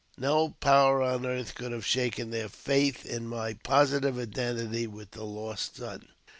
No power on earth could have shaken their faith in my positive identity with the lost son.